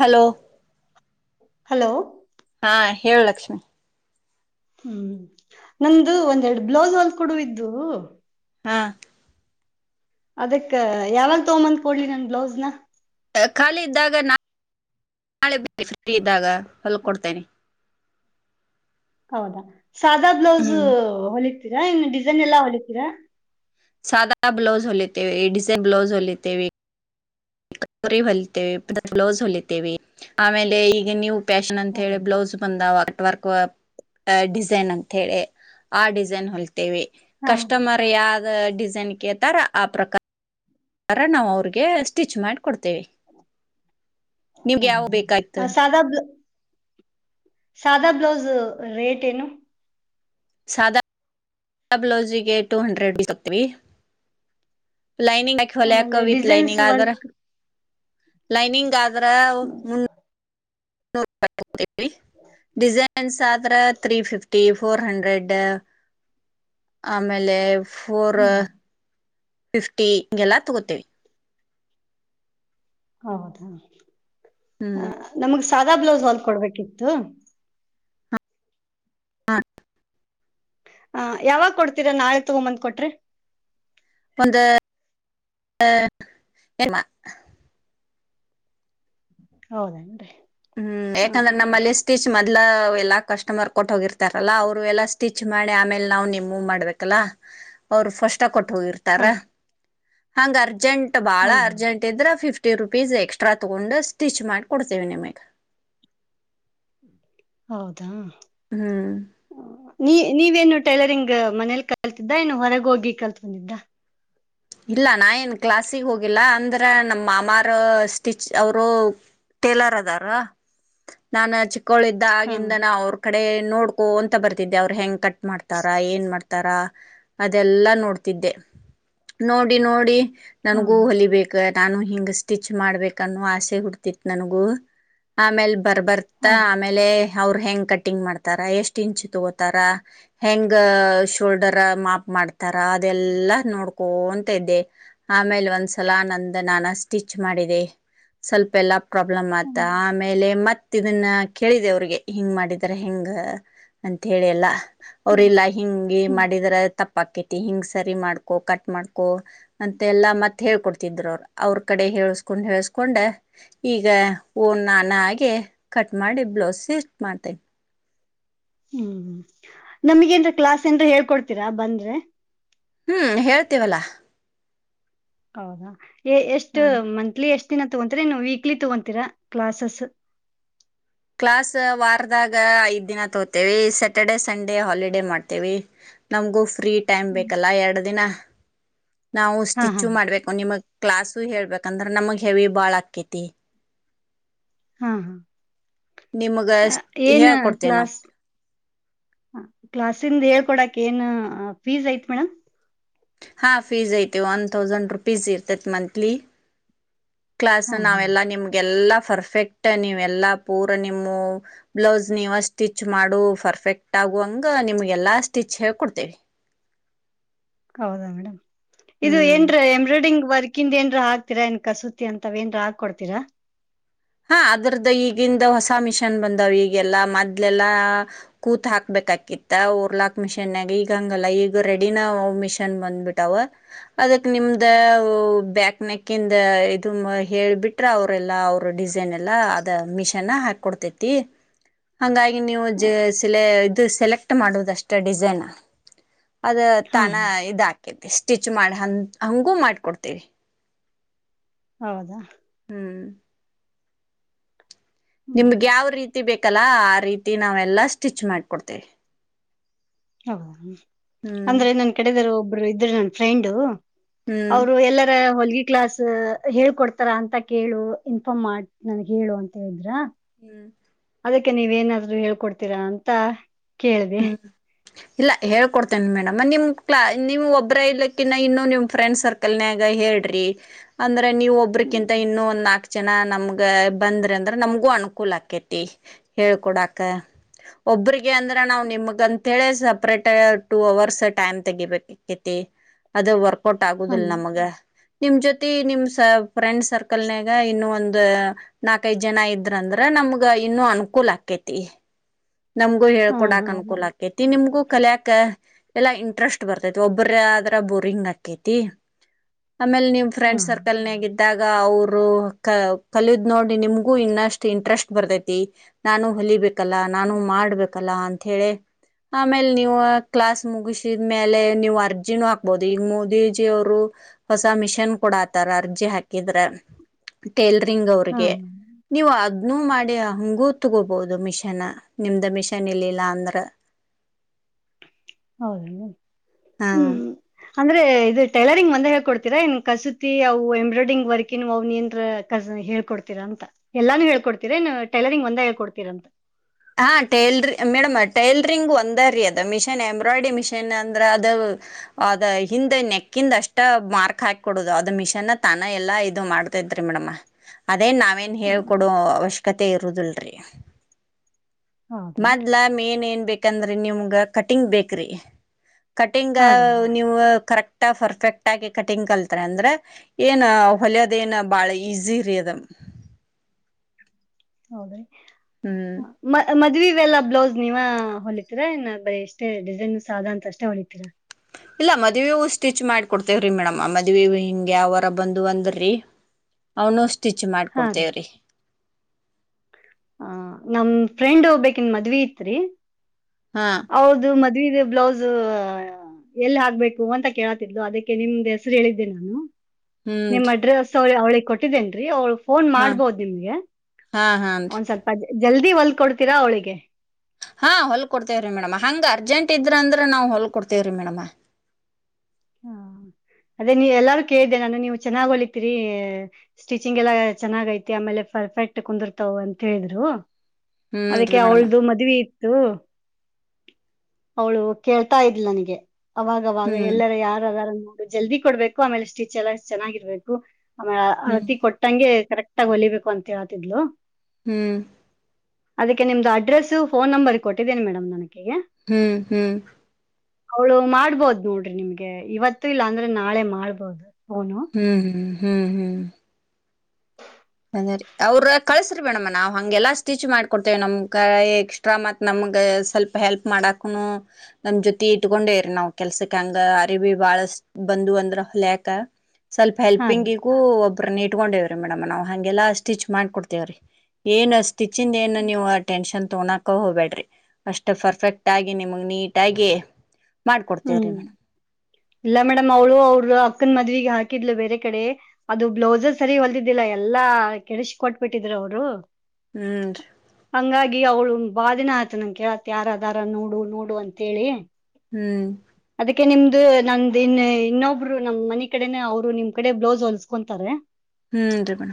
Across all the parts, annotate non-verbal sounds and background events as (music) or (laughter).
Hello hello ಹಾ ಹೇಳು ಲಕ್ಷ್ಮಿ ಹ್ಮ್ ನಂದು ಒಂದೆರಡು ಬ್ಲೌಸ್ ಹೊಲ್ದು ಕೊಡುವು ಇದ್ವು ಹಾ ಅದಕ್ಕ ಯಾವಗ ತಗೋ ಬಂದು ಕೊಡ್ಲಿ ನನ್ ಬ್ಲೌಸ್ನ ಖಾಲಿ ಇದ್ದಾಗ (unintelligible) ನಾಳೆ ಬರೀ ಫ್ರೀ ಇದ್ದಾಗ ಹೊಲ್ ಕೊಡ್ತೇನೆ ಹೌದಾ ಸಾದಾ ಬ್ಲೌಸ್ ಹ್ಮ್ ಹೊಲಿತಿ ತೀರಾ ಡಿಸೈನ್ ಎಲ್ಲಾ ಹೊಲಿತೀರಾ ಸಾದಾ ಬ್ಲೌಸ್ ಹೊಲತೆೇವೆ ಡಿಸೈನ್ ಬ್ಲೌಸ್ ಹೊಲತೇವೆ (unintelligible) ಹೊಲತೆವೆ ಬ್ಲೌಸ್ ಹೊಲತೆವೆ ಆಮೇಲೆ ಈಗ ನ್ಯೂ ಫ್ಯಾಷನ್ ಅಂತ ಹೇಳಿ ಬ್ಲೌಸ್ ಬಂದ ಅರ್ಟ್ ವರ್ಕ್ ಡಿಸೈನ್ ಅಂತ ಹೇಳಿ ಆ ಡಿಸೈನ್ ಹೋಲಿ ತೇವೆ ಹಾ ಕಸ್ಟಮರ್ ಯಾವ್ದು ಡಿಸೈನ್ ಕೇಳತಾರ ಆ ಪ್ರಕಾರ ನಾವು ಅವ್ರಿಗೆ ಸ್ಟಿಚ್ ಮಾಡ್ ಕೊಡ್ತೇವೆ (inaudible) ನಿಮ್ಗೆ ಯಾವ ಬೇಕಾಯ್ತು ಹೌದಾ ಸಾದಾ ಬ್ಲ ಸಾದಾ ಬ್ಲೌಸ್ ರೇಟ್ ಏನು ಸಾದಾ (inaudible) ಬ್ಲೌಸಿಗೆ ಟೂ ಹಂಡ್ರೆಡ್ ತಗೋತೀವಿ ಲೈನಿಂಗ್ ಯಾಕೆ ಹೊಲ್ಯಾಕ್ ಆಮೇಲೆ ವಿತ್ ಡಿಸೈನ್ಸ್ ಲೈನಿಂಗ್ ಆದ್ರ ವರ್ಕ್ ಲೈನಿಂಗ್ ಆದ್ರ ಮುನ್ನೂ (unintelligible) ಡಿಸೈನ್ಸ್ ಆದ್ರ ತ್ರೀ ಫಿಫ್ಟಿ ಫೋರ್ ಹಂಡ್ರೆಡ್ ಆಮೇಲೆ ಫೋರ್ ಹ್ಮ್ ಫಿಫ್ಟಿ ಹಿಂಗೆಲ್ಲಾ ತಗೋತೇವಿ ಹೌದಾ ಹಾ ಹ್ಮ್ ನಮಗ್ ಸಾದಾ ಬ್ಲೌಸ್ ಹೊಲ್ದ ಕೊಡ್ಬೇಕಿತ್ತು ಹಾ ಹಾ ಯಾವಾಗ ಕೊಡ್ತೀರಾ ನಾಳೆ ತಗೊಂಬಂದ್ ಕೊಟ್ರೇ ಒಂದು (unintelligible) ಹೌದೇನ್ರಿ ಹ್ಮ್ ಯಾಕಂದ್ರೆ ಹ ನಮ್ಮಲ್ಲಿ ಸ್ಟಿಚ್ ಎಲ್ಲಾ ಕಸ್ಟಮರ್ ಕೊಟ್ಟೋಗಿರ್ತಾರಲ್ಲ ಅವ್ರು ಎಲ್ಲಾ ಸ್ಟಿಚ್ ಮಾಡಿ ಆಮೇಲೆ ನಾವು ನಿಮ್ಮವು ಮಾಡ್ಬೇಕಲ್ಲಾ ಅವ್ರು ಫಸ್ಟ್ ಕೊ ಹೋಗಿತ್ತಾರ ಹಾ (unintelligible) ಅರ್ಜೆಂಟ್ ಬಾಳ ಹಾ ಅರ್ಜೆಂಟ್ ಇದ್ರೆ ಫಿಫ್ಟಿ ಫಿಫ್ಟಿ ರುಪೀಸ್ ಎಕ್ಸ್ಟ್ರಾ ತಗೊಂಡು ಸ್ಟಿಚ್ ಮಾಡಿ ಕೊಡ್ತೀವಿ ನಿಮಗೆ ಹೌದಾ ಹ್ಮ್ ನೀ ನೀವೇನು ಟೈಲರಿಂಗ್ ಮನೇಲಿ ಕಲ್ತಿದ್ದ ಏನು ಹೊರಗ ಹೋಗಿ ಕಲ್ತ್ ಬಂದಿದ್ದ ಇಲ್ಲ ನಾ ಏನ್ ಕ್ಲಾಸ್ಸಿಗೆ ಹೋಗಿಲ್ಲ ಅಂದ್ರೆ ನಮ್ಮ ಮಾಮಾರ ಸ್ಟಿಚ್ ಅವರು ಟೇಲರ್ ಅದಾರ ನಾನ ಚಿ ಹಾ ಕ್ಕೋಳಿದ್ದಾಗಿಂದ ನಾ ಅವ್ರ ಕಡೆ ನೋಡ್ಕೋ ಅಂತ ಬರ್ತಿದ್ದೆ ಅವ್ರು ಹೆಂಗ್ ಕಟ್ಟ ಮಾಡ್ತಾರಾ ಏನ್ ಮಾಡ್ತ ತರಾ ಅದೆಲ್ಲಾ ನೋಡ್ತಿದ್ದೆ ನೋಡಿ ನೋಡಿ ಹಾ ನನ್ಗೂ ಹೊಲಿ ಬೇಕ ನಾನು ಹಿಂಗ ಸ್ಟಿಚ್ ಮಾಡ್ಬೇಕನ್ನೋ ಆಸೆ ಹುಡ್ತಿತ್ ನನಗು ಆಮೇಲ್ ಹಾ ಬರ್ಬರ್ತ್ತಾ ಆಮೇಲೆ ಅವರು ಹೆಂಗ್ ಕಟ್ಟಿಂಗ್ ಮಾಡ್ತಾರ ಎಷ್ಟ್ ಇಂಚ್ ತಗೋತಾರ ಹೆಂಗ ಶೋಲ್ಡರ್ ಮಾಪ್ ಮಾಡ್ತಾರ ಅದೆಲ್ಲ ನೋಡ್ ಕೋಂತ ಇದ್ದೆ ಆಮೇಲೆ ಒಂದ್ಸಲ ನಂದ ನಾನ ಸ್ಟಿಚ್ ಮಾಡಿದೆ ಸ್ವಲ್ಪ ಎಲ್ಲಾ ಪ್ರಾಬ್ಲಮ್ ಆತ ಹ್ಮ್ ಆಮೇಲೆ ಮತ್ತೆ ಮ ಇದನ್ನ ಕೇಳಿದೆ ಅವ್ರಿಗೆ ಹಿಂಗ್ ಮಾಡಿದ್ದಾರೆ ಹೆಂಗ ಅಂತ ಹೇಳಿ ಎಲ್ಲ ಅವ್ರಲ್ಲ ಹಿಂಗಿ ಮಾಡಿದ್ರ ತಪ್ಪಾಕೈತಿ ಹಿಂಗ ಸರಿ ಮಾಡ್ಕೋ ಕಟ್ಟ ಕ ಮಾಡ್ಕೊ ಅಂತೆ ಎಲ್ಲಾ ಮತ್ತ್ ಹೇಳ್ಕೊಡ್ತಿದ್ರು ಅವರು ಅವ್ರ ಕಡೆ ಹಳ್ಸ್ಕೊಂಡ್ ಹೇಳ್ಸ್ಕೊಂಡ ಈಗ ಓನ್ ನಾನ ಆಗಿ ಕಟ್ ಮಾಡಿ ಬ್ಲೌಸ್ ಮಾಡ್ತೇನಿ ಹ್ಮ್ ನಮಗೇನರ ಕ್ಲಾಸ್ ಏನರ ಹೇಳ್ಕೊಡ್ತೀರಾ ಬಂದ್ರೆ ಹ್ಮ್ ಹೇಳ್ತೇವಲ್ಲಾ ಹೌದಾ ಎಷ್ಟು ಹ ಮಂತ್ಲಿ ಎಷ್ಟು ದಿನ ತಗೊಂತ್ರ ನೀ ವೀಕ್ಲಿ ತಗೊಂತೀರಾ ಕ್ಲಾಸಸ್ ಕ್ಲಾಸ್ ವಾರದಾಗ ಐದ್ ದಿನ ತೋತೇವಿ ಸ್ಯಾಟರ್ಡೆ ಸಂಡೇ ಹಾಲಿಡೇ ಮಾಡ್ತೇವಿ ನಮ್ಗು ಫ್ರೀ ಟೈಮ್ ಬೇಕಲ್ಲ ಎರಡು ದಿನ ಹ ನಾವು ಹಾ ಹಾ ಸ್ಟಿಚ್ಚು ಮಾಡ್ಬೇಕು ನಿಮಗ್ ಕ್ಲಾಸು ಹೇಳ್ಬೇಕಂದ್ರ ನಮಗ್ ಹೆವಿ ಬಾಳ್ ಆಕೇತಿ ಹಾ ಹಾ ಏನ್ ಹೇಳ್ಕೊಡ್ತೇವಿ ನಾವ್ ಕ್ಲಾಸ್ ಹಾ ಕ್ಲಾಸ್ ಹೇಳ್ಕೊಡಕ್ ಏನ್ ಫೀಸ್ ಐತ್ ಮೇಡಮ್ ಹಾ ಫೀಸ್ ಐತೆ ಓನ್ ಥೌಸಂಡಂಡ ರೂಪೀಸ್ ಇರ್ತತಿ ಮಂತ್ಲಿ ಕ್ಲಾಸ್ ಹಾ ಹಾ ನಾವೆಲ್ಲಾ ನಿಮ್ಗೆಲ್ಲಾ ಫರ್ಫೆಕ್ಟ್ ನೀವೆಲ್ಲಾ ಪೂರಾ ನಿಮ್ಮ ಬ್ಲೌಸ್ ನೀವ ಸ್ಟಿಚ್ ಮಾಡು ಫರ್ಫೆಕ್ಟ್ ಆಗುವಂಗ ನಿಮ್ಗೆಲ್ಲಾ ಸ್ಟಿಚ್ ಹೇಕೊಡ್ತೇವಿ ಹೌದಾ ಮೇಡಮ್ ಇದು ಹ್ಮ್ ಏನ್ರ ಎಂಬ್ರಾಯ್ಡ್ರಂಗ್ ವರ್ಕ್ ಅಕ್ಕಿಂದ ಏನ್ ಹಾಕ್ತಿ ಏನ್ ಕಸೂತಿ ಅಂತ ಏನ್ ಹಾಕ ಕೊಡ್ತೀರಾ ಹಾ ಅದ್ರದ್ದ ಈಗಿಂದ ಹೊಸ ಮಿಷನ್ ಬಂದಾವ್ ಈಗೆಲ್ಲಾ ಮದ್ಲೆಲ್ಲಾ ಕೂತ್ ಹಾಕ್ಬೇಕ ಆಕಿತ್ತ ಓರ್ಲಾಕ್ ಮಿಷನ್ ಗ ಈಗ ಹಂಗಲ್ಲ ಈಗ ರೆಡಿನ ಮಿಷನ್ ಬಂದ್ಬಿಟ್ಟವ ಅದಕ್ ನಿಮ್ದ ಬ್ಯಾಕ್ ನೆಕ್ಂದ ಇದದು ಹೇಬಿಟ್ರ ಅವ್ರಲ್ಲಾ ಡಿಸೈನ್ ಎಲ್ಲ ಅದು ಮಿಷನ್ ಹಾಕಿಕೋಡ್ ತೈ ತಿ ಹಂಗಾಗಿ ನಿವು ಇ ಸಲೆಕ್ಟ್ ಮಾಡುದುಷ್ಟ ಡಿಸೈನ್ ಅದ ಹಾ ತಾನ ಹಾ ಇದಾಕ ಸ್ಟಿಚ್ ಮಾಡ ಹಂಗೂ ಮಾಡ್ಕೊಡ್ತೇರಿ ಹೌದಾ ಹ್ಮ್ ಹ್ಮ್ ನಿಮ್ಗೆ ಯಾವ್ ರೀತಿ ಬೇಕಲ್ಲ ಆ ರೀತಿ ನಾವೆಲ್ಲಷ್ಟ ಸ್ಟಿಚ್ ಮಾಡ್ಕೊಡ್ತೇವೆ ಹೌದಾ ಅಂದ್ರೆ ನನ್ ಕಡದಿರು ಒಬ್ ಇಬ್ರು ಇದ್ರೆ ನನ್ ಫ್ರೆಂಡು ಹ್ಮ್ ಅವರು ಎಲ್ಲರ ಹೊಲಗಿ ಕ್ಲಾಸ್ ಹೇಳ್ಕೊಡ್ತಾರ ಅಂತ ಕೇಳು ಇನ್ಫಾರ್ಮ್ ಮಾಡ ನನ್ಗ್ ಹೇಳು ಅಂತಿದ್ರ ಹ್ಮ್ ಅದಕ್ಕೆ ನೀವ ಏನಾದ್ರರು ಹೇಳ್ಕೊಡ್ತೀರಾ ಅಂತ ಕೇಳಿದೆ ಹ್ಮ್ ಇಲ್ಲ ಹೇಳ್ಕೊಡ್ತೇನೆ ಮೇಡಮ್ ನಿಮ್ ಕ್ಲ ನಿಮ್ ಒಬ್ರ ಇಲಕ್ಕಿನ್ನ ಇನ್ನು ನಿಮ್ ಫ್ರೆಂಡ್ ಸರ್ಕಲ್ ನ್ಯಾಗ ಹೇಳ್ರಿ ಅಂದ್ರ ನೀವು ಹ್ಮ್ ಒಬ್ಬ್ರಕಿಂತ ಇನ್ನೂ ಒಂದ್ ನಾಕ್ ಜನಾ ಜನ ನಮ್ಗ ಬಂದ್ರ ಅಂದ್ರ ನಮ್ಗೂ ಅನುಕೂಲ ಆಕೇತಿ ಹೇಳ್ಕೊಡಾಕ ಒಬ್ರಿಗೆ ಅಂದ್ರ ಅಂತೇಳೆ ಸಪ್ರೇಟ್ ಟೂ ಅವರ್ಸ್ ಟೈಮ್ ತೆಗಿಬೇಕೈತಿ ಅದು ವರ್ಕ್ ಕೊಟ್ಟ ಆಗುದಿಲ್ಲ ಹ್ಮ್ ನಮಗ ನಿಮ್ ಜೊತೆ ನಿಮ ಸ ಫ್ರೆಂಡ್ ಸರ್ಕಲ್ನಾಗ ಇನ್ನು ಒಂದು ಒ ನಾಕೈದ್ ಜನ ಇದ್ರಂದ್ರ ನಮ್ಗ ಇನ್ನು ಅನುಕೂಲ್ ಆಕೇತಿ ನಮ್ಗೂ ಹಾ ಹೇಳ್ಕೊಡಾಕ್ ಹಾ ಅನುಕೂಲ ಆಕೈತಿ ನಿಮ್ಗೂ ಕಲಿಯಾಕ್ ಎಲ್ಲಾ ಇಂಟ್ರೆಸ್ಟ್ ಬರ್ತೈತಿ ಒಬ್ಬರ ಆದ್ರ ಬೋರಿಂಗ್ ಆಗ್ಕೈತಿ ಆಮೇಲೆ ನಿಮ್ ಹಾ ಫ್ರೆಂಡ್ ಸರ್ಕಲ್ ನೀವಿದ್ದು ಆ ಗ ಅವರು ಕಲಿದ್ ನೋಡಿ ನಿಮ್ಗೂ ಇನ್ನಷ್ಟು ಇಂಟ್ರೆಸ್ಟ್ ಬರ್ತೈತಿ ನಾನು ಹೊಲಿಬೇಕಲ್ಲ ನಾನು ಮಾಡ್ಬೇಕು ಲ್ಲಾ ಅಂತ ಹೇಳಿ ಆಮೇಲ್ ನೀವು ಕ್ಲಾಸ್ ಮುಗಿಸಿದ್ಮೇಲೆ ನೀವು ಅರ್ಜಿನೂ ಹಾಕ್ಬೋದು ಈಗ ಮೋದಿಜಿ ಅವರು ಹೊಸ ಮಿಷನ್ ಕೊಡಾತಾರ ಅರ್ಜಿ ಹಾಕಿದ್ರೆ ಟೇಲರಿಂಗ್ ಹಾ ಅವ್ರಿಗೆ ನೀವು ಅ ನೀವ್ ಮಾಡಿ ಹಂಗೂ ತಗೋಬಹುದು ಮಿಷನ್ ಆ ನಿಮ್ದ ಮಿಷನ್ ಇಲ್ಲಿಲ್ಲ ಅಂದ್ರ ಹೌದ ಏನ್ರಿ ಹಾ ಹ್ಮ್ ಅಂದ್ರೆ ಇದು ಟೈಲರಿಂಗ್ ಒಂದೇ ಹೇಳ್ಕೊಡ್ತಿರಾ ಏನ್ ಕಸೂತಿ ಅವು ಎಂಬ್ರಾಯ್ಡ್ರಿಂಗ್ ವರ್ಕಿನು ಅವು ಎನ್ರ ಕಸ ಹೇಳ್ಕೊಡ್ತೀರಾ ಅಂತ ಎಲ್ಲಾನು ಹೇಳ್ಕೊಡತಿರೇನ್ ಟೈಲರಿಂಗ್ ಒಂದ ಹಳ್ಕೊಡ್ತೀರ ಅಂತ ಹಾ ಟೇಲರಿ ಮೇಡಮ್ ಟೇಲರಿಂಗ್ ಒಂದರಿ ಅದ ಮಿಷನ್ ಎಂಬ್ರಾಯ್ಡ್ರಿ ಮಿಷಿನ್ ಅಂದ್ರ ಅದು ಅದ ಹಿಂದ್ ನೆಕಿಂದ ಅಷ್ಟ ಮಾರ್ಕ್ ಹಾಕ ಕೊಡುದು ಅದ ಮಿಷನ್ ತಾನ ಎಲ್ಲಾ ಇದು ಮಾಡ್ತತೈತ್ರಿ ಮೇಡಮ್ ಅದೇ ನಾವ ವೇನ್ ಹಾ ಹೇಳ್ ಕೊಡೊ ಅವಶ್ಯ ಕತೆ ಇರುದುಲ್ರಿ ಹೌದೇನ್ರಿ ಮೊದ್ಲ ಮೇನ್ ಏನ್ ಬೇಕಂದ್ರ ನಿಮಗ ಕಟಿಂಗ್ ಬೇಕ್ರಿ ಕಟಿಂಗ್ ಹಾ ರೀ ನೀವು ಕರೆಕ್ಟ್ ಟ್ಟ ಫರ್ಫೆಕ್ಟ್ ಆಗಿ ಕಟಿಂಗ್ ಕಲ್ತರಂದ್ರ ಏನ ಹೊಲಿಯೋದೇನ ಬಾಳ ಈಜಿರಿ ಅದ ಹೌದೇನ್ ಹ್ಮ್ ಮ ಮದ್ವಿ ನೀವೆಲ್ಲ ಬ್ಲೌಸ್ ನೀವ ಹೊಲಿತೀರಾ ಇನ್ನು ಬರೀ ಎಷ್ಟೇ ಡಿಸೈನ್ ಸಾದ ಅಂತ ಅಷ್ಟೇ ಹೊಲಿತೀರಾ ಇಲ್ಲ ಮದ್ವೆವು ಸ್ಟಿಚ್ ಮಾಡ್ಕೊಡ್ತೇವ್ರಿ ಮೇಡಮ ಮದ್ವೇವು ಹಿಂಗೆ ಯಾವರ ಬಂದು ಅಂದುರಿ ಅವನಸ್ ಸ್ಟಿಚ್ ಹಾ ಮಾಡಕೊಡ್ತೇವ್ರೀ ಹ ನಮ ಫ್ರೆಂಡ್ ಒಬ್ಬಾಕಿನ್ ಮದ್ವಿ ಇತ್ರಿ ಹಾ ಅವ್ಳ್ದು ಮದ ಸೀರೆ ಬ್ಲೌಸ್ ಎಲ್ಲಿ ಹಾಕ್ಬೇಕು ಅಂತ ಕೇಳತಿದ್ಲು ಅದಕ್ಕೆ ನಿಮ್ದ್ ಹೆಸರು ಹೇಳಿದ್ದೆ ನಾನು ನಿಮ್ ಹ್ಞೂನ್ರಿ ಅಡ್ರೆಸ ಅವಳ ಅವಳಿಗ ಕೊಟ್ಟಿದ್ದೇನ್ರೀ ಅವಳ ಫೋನ್ ಹಾ ಮಾಡ್ಬೋದು ನಿಮ್ಗೆ ಹಾ ಹಾನ್ರಿ ಒಂದ್ ಸ್ವಲ್ಪದ ಜಲ್ದಿ ಹೊಲ್ ಕೊಡ್ತೀರಾ ಅವಳಿಗೆ ಹಾ ಹೊಲ್ ಕೊಡ್ತೇವ್ರಿ ಮೇಡಮ ಹಂಗ ಅರ್ಜೆಂಟ್ ಇದ್ರ ಅಂದ್ರ ನಾವು ಹೊಲ್ ಕೊಡ್ತೇವ್ರೀ ಮೇಡಮ ಹಾ ಅದೇ ನೀ ಎಲ್ಲಾರು ಕೇಳ್ದೆ ನಾನು ನೀವು ಚೆನ್ನಾಗ್ ಹೊಲಿತೀರಿ ಸ್ಟಿಚಿಂಗ್ ಎಲ್ಲಾ ಚೆನ್ನಾಗ್ ಐತಿ ಆಮೇಲೆ ಪರ್ಫೆಕ್ಟ್ ಕುಂದಿರ್ತಾವ ಅಂತ ಹೇಳಿದ್ರು ಅದಕ್ಕೆ ಹ್ಞೂನ್ರಿ ಮೇಡಮ ಅವಳ್ದು ಮದ್ವಿ ಇ ತ್ತು ಅವಳು ಕೇಳ್ತಾ ಇದ್ಲ ನನಗೆ ಅವಾಗವಾಗ ಹ್ಞೂ ಎಲ್ಲರೆಯ ಜಲ್ದಿ ಕೊಡ್ಬೇಕು ಆಮೇಲೆ ಸ್ಟಿಚ್ ಎಲ್ಲ ಚೆನ್ನಾಗಿರ್ಬೇಕು ಆಮೇಲೆ ಹ್ಞೂ ಅಳತಿ ಕೊಟ್ಟಂಗೆ ಕರೆಕ್ಟ್ ಆಗಿ ಹೊಲಿಬೇಕು ಅಂತ ಹೇಳ್ತಿದ್ಲು ಹ್ಮ್ ಅದಕ್ಕೆ ನಿಮ್ದು ಅಡ್ರೆಸ್ ಫೋನ್ ನಂಬರ್ ಕೊಟ್ಟಿದ್ದೀನಿ ಮೇಡಮ್ ನಾನ ಅಕಿಗೆ ಹ್ಮ್ ಹ್ಮ್ ಅವ್ಳು ಮಾಡ್ಬೋದ್ ನೋಡ್ರಿ ನಿಮ್ಗೆ ಗೆ ಹಾಗೆ ಇವತ್ತು ಇಲ್ಲ ಅಂದ್ರೆ ನಾಳೆ ಮಾಡ್ಬೋದು ಫೋನು ಹ್ಮ್ ಹ್ಮ್ ಹ್ಮ್ ಹ್ಮ್ ಅರಿ ಅವ್ರ ಕಳ್ಸ್ರಿ ಮೇಡಮ್ಮ ನಾವ್ ಹಂಗೆಲ್ಲಾ ಸ್ಟಿಚ್ ಮಾಡ್ಕೊಡ್ತೇವ ನಮ್ ಕ ಎಕ್ಸ್ಟ್ರಾ ಮತ್ ನಮಗ ಸ್ವಲ್ಪ ಹೆಲ್ಪ್ ಮಾಡಕನು ನಮ ಜೊತಿ ಇಟ್ಕೊಂಡೇವ್ರರಿ ನಾವ್ ಕೆಲ್ಸಕ್ ಹಂಗ ಅರಿ ಭ ಬಾಳ ಬಂದು ಅಂದ್ರ ಹೊಳ್ಯಾಕ. ಸ್ವಲ್ಪ ಹಾ ಹೆಲ್ಪಿಂಗಿಗೂ- ಒಬ್ಬರನ್ನ ಇಟ್ಕೊಂಡಿವಿ ಮೇಡ್ ನಾವು. ಹಗೆಲ್ಲಾ ಸ್ಟಿಚ್ ಮಾಡ್ಕೊಡ್ತೇವ್ರಿ ಏನ್ ಸ್ಟಿಚ್ಂದ ಏನು ನೀವು ಟೆನ್ಷನ್ ತೊಗೊಂಡಕ ಹೋಗಬೇಡ್ರಿ ಅಷ್ಟ ಪರ್ಫೆಕ್ಟ್ ಆಗಿ ನಿಮಗ್ ನೀಟಾಗಿ- ಹ್ಮ್ ಮಾಡ್ಕೊಡ್ತೇವ್ರಿ ಮೇಡಮ್ ಇಲ್ಲ ಮೇಡಮ್ ಅವಳು ಅವರು ಅಕ್ಕನ್ ಮದವಿ- ಹಾಕಿದ್ಲು ಬೇರೆ ಕಡೆ ಅದು ಬ್ಲೌಸರ್ ಸರಿ ಹೊಲ್ದಿದ್ದಿಲ್ಲ ಎಲ್ಲಾ ಕೆಡಸ ಕೊಟ್ ಬಿಟ್ಟಿದ್ರು ಅವರು. ಹ್ ರಿ. ಹಂಗಾಗಿ ಅವ್ಳು ಬಾದಿನ ಆಯ್ತ ನನ್ ಕೇಳತ್ತ ಯಾರ ಆದರೇನು ನೋಡು ನೋಡು ಅಂತೇಳಿ. ಹ್ಮ್. ಅದಕ್ಕೆೆ ನಿಮ್ದು ನಂದ ಇನ್ ಇನ್ನೊಬ್ರು ನಮ್ ಮನ ಕಡೆನ ಅವ್ರು ನಿಮ್ ಕಡೆ ಬ್ಲೌಸ್ ಹೊಲಸ್ಕೊಂತತಾರೆ ಹ್ಮ್ನ್ ನರಿ ಮೇಡಂ.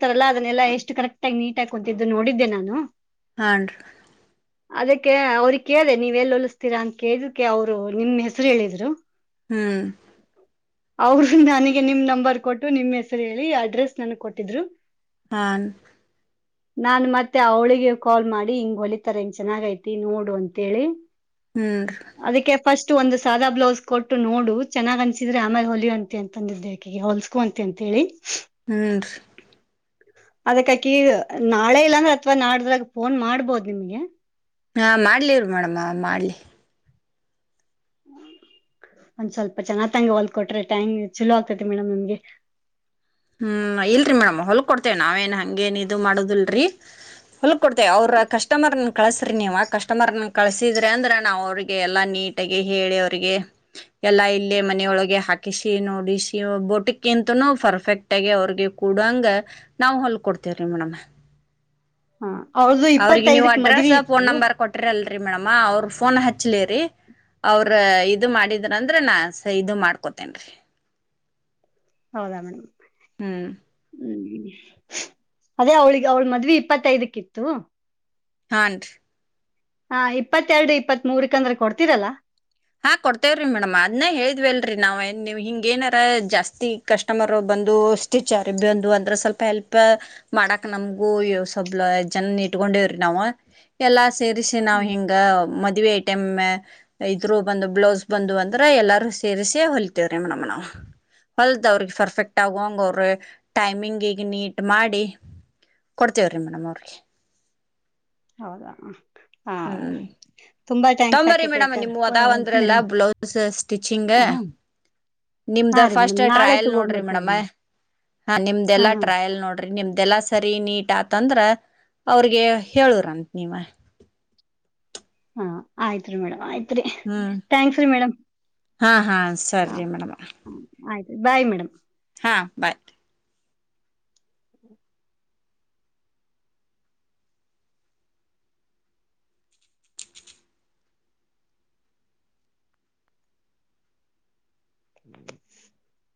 ಅಂತಾರಲ್ಲ ಅದನ್ನಲ್ಲ ಎಷ್ಟು ಕರೆಕ್ಟ್ ಆಗ ನೀಟ್ ಹಾ ಕುಂತತಿದ್ದು ನೋಡಿದ್ದೆ ನಾನು. ಹಾ ನರಿ. ಅದಕ್ಕೆ ಅವ್ರ ಕೇಳೆ ನೀವ ಇಲ್ಲಿ ಹೊಲಿಸತೀರಾ ಅಂತ ಕೇಳಕ್ಕೆ ಅವರು- ನಿಮ್ ಹೆಸರು ಹೇಳಿದ್ರು. ಹ್ಮ್. ಅವರು ನನಗೆ ನಿಮ್ ನಂಬರ್ ಕೊಟ್ಟು ನಿಮ್ ಹೆಸರು ಹೇಳಿ ಅಡ್ರೆಸ್ ನನ್ಗ್ ಕೊಟ್ಟಿದ್ರು. ಹಾ. ನಾನ್ ಮತ್ತೆ ಅವಳಿಗೆ ಕಾಲ್ ಮಾಡಿ ಹಿಂಗ್ ಹೊಲಿತಾರೆ ಹಿಂಗ ಚೆನ್ನಾಗ ಐತಿ ನೋಡು ಅಂತೇಳಿ. ಹ್ಮ್. ಅದಕ್ಕೆ ಫಸ್ಟ್ ಒಂದು ಸಾದಾ ಬ್ಲೌಸ್ ಕೊಟ್ಟು ನೋಡು ಚೆನ್ನಾಗ್ ಅನ್ಸಿದ್ರೆ ಆಮೇಲೆ ಹೊಲುವಂತೆ ಅಂತ ಅಂದಿ ದೇ ಅಕಿಗೆ ಹೊಲ್ಸ್ಕುವಂತೆ ಅಂತೇಳಿ. ಹ್ಮ ರಿ. ಅದಕ್ಕ ಆಕಿ ನಾಳೆ ಇಲ್ಲಾಂದ್ರೆ ಅಥ್ವಾ ನಾಡ್ದ್ರಾಗ ಫೋನ್ ಮಾಡ್ಬೋದು ನಿಮ್ಗೆ. ಹಾ ಮಾಡ್ಲಿರಿ ಮೇಡಮ್ಮ ಮಾಡ್ಲಿ. ಒಂದ್ ಸ್ವಲ್ಪ ಚೆನ್ನ ತಂಗ ಹೊಲ್ ಕೊಟ್ರೆ ಟ್ಯಾಂಗ್ ಚಲೋ ಆಗ್ತೈತಿ ಮೇಡಮ್ ನಮ್ಗೆ. ಹ್ಮ್ ಇಲ್ರಿ ಮೇಡಮ್ ಹೊಲ್ ಕೊಡ್ತೇವೆ ನಾವೇನ್ ಹಂಗೇನ್ ಇದು ಮಾಡುದಲ್ರಿ. ಹೊಲ್ಕ್ ಕೊಡ್ತೇವೆ ಅವ್ರರ ಕಸ್ಟಮರ್- ಕಳಸ್ರಿ ನೀವು ಆ ಕಸ್ಟಮರ್ನ ಕಳಸಿದ್ರೆ ಅಂದ್ರೆ ನಾವು ಅವ್ರಿಗೆ ಎಲ್ಲಾ ನೀಟಾಗಿ ಹೇಳಿ ಅವ್ರಿಗೆ ಎಲ್ಲಾ ಇಲ್ಲೇ ಮನೆಯೊಳಗೆ ಹಾಕಿಸಿ ನೋಡಿಸಿ ಬೋಟಿಕ್ಕಿಂತನೂ ಪರ್ಫೆಕ್ಟ್- ಒಟ್ಟೆಗೆ ಅವ್ರಿಗೆ ಕೂಡಂಗ ನಾವ್ ಹೊಲ್ಕ ಕೊಡ್ತೇವ್ರಿ ಮೇಡಮ. ಹಾ ಅವ್ರ್ದು ಇಪ್ಪತ್ತೈದಕ್ ಮದುವೆ ಇತ್ತು. ರಿ ಮೇಡಮ್ಮ ಅವರು ಫೋನ್ ಹಚ್ಲಿ ರೀ ಅವ್ರ ಇ ಮಾಡಿದ್ರಂದ್ರೆ ನಾ ಸ ಇದು ಮಾಡ್ಕೋತೇನ್ ರೀ. ಹೌದಾ ಮೇಡಮ್. ಹ್ಮ್. ಹ್ಮ್ ಅದೇ ಅವ್ಳಿಗೆ ಅವ್ಳ ಮದ್ ಇಪ್ಪತ್ತೈದಕ್ಕಿ ಇತ್ತು. ಹಾ ನರಿ. ಹಾ ಇಪ್ಪತ್ತೆರಡು ಇಪ್ಪತ್ಮೂರ್ಕಂದ್ರೆ ಕೊಡ್ತೀರಲ್ಲ. ಹಾ ಕೊಡ್ತೇವ್ರಿ ಮೇಡಮ್ ಅದ್ನ ಹೇಳಿದ್ವಿಲ್ರರಿ ನಾವ್ ವ್ ಹಿಂಗ ಏನಾರ ಜಾಸ್ತಿ ಕಸ್ಟಮರ್ ಬಂದು ಸ್ಟಿಚ್ರ್ ಬಂದು ಅಂದ್ರ ಸ್ವಲ್ಪ ಹೆಲ್ಪ್ ಮಾಡಕ್ ನಮ್ಗೂ ಸೊಬ್ಲ ಜನ ಇಟ್ಕೊಂಡೇವ್ರಿ ನಾವ ಎಲ್ಲಾ. ಸೇರಿಸಿ ನಾವ್ ಹ್ಮ್ ಹಿಂಗ ಮದ್ವೆ ಆ. ಎಮ್ಮೆ. ಇದರು ಬಂದು ಬ್ಲೌಸ್ ಬಂದು ಅಂದ್ರೆ ಎಲ್ಲರೂ ಸೇರಿಸಿ ಹೊಲ್ತೇವ್ರೀ ಮೇಡಮ್ ನಾವು ಹೊಲದ ಅವ್ರಿಗೆ ಪರ್ಫೆಕ್ಟ್ ಆಗೋ ಅಂಗ ಅವ್ರ ಟೈಮಿಂಗ್ ಈಗ ನೀಟ್ ಮಾಡಿ ಕೊಡ್ತೇವ್ರಿ ಮೇಡಮ್. ಅವ್ರಿಗೆ ಹೌದಾ. ಹಾ ಹ್ಮ್ ತುಂಬಾ ಥ್ಯಾಂಕ್ಸ್ ತೊಂಬ್ರಿ ಆಕೈತೆ ಮೇಡಮ ನಿಮ ಅದಾವ ಅಂದ್ರೆಲ್ಲ ಮೇಡಮ್ ಬ್ಲೌಸ್ ಸ್ಟಿಚಿಂಗ್ ಹಾ ನಿಮ್ದ ಹಾ ರೀ ಫಸ್ಟ್ ಮೇಡಮ್ ನಾಳೆ ಟ್ರಯಲ್ ನೋಡ್ರಿ ಮೇಡಮ ತಗೊಂಬರ್ತೇವೆ ಹ ನಿಮ್ದ ಹಾ ಎಲ್ಲಾ ಹಾ ಟ್ರಯಲ್ ನೋಡ್ರಿ ನಿಮ್ದ, ಇದೆಲ್ಲ ಸರಿ ನೀಟ್ ಆತಂದ್ರ ಅವ್ರಿಗೆ ಹೇಳರಂತೆ ನೀವ ಹಾ ಆಯ್ತ್ ರೀ ಮೇಡಮ್ ಆಯ್ತ್, ಹ್ಮ್ ಹಾ ಹಾ ಹಾ ಸರಿ ಮೇಡಮ ಬಾಯ್ ಮೇಡಮ್ ಹಾ ಬಾಯ್ ಹ್ಮ್ (inaudible)